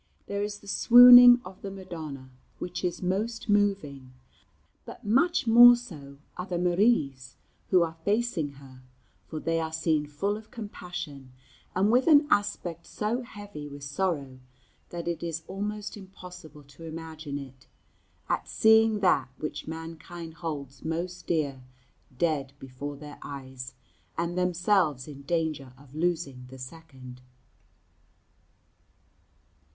There is the swooning of the Madonna, which is most moving; but much more so are the Maries, who are facing her, for they are seen full of compassion and with an aspect so heavy with sorrow, that it is almost impossible to imagine it, at seeing that which mankind holds most dear dead before their eyes, and themselves in danger of losing the second.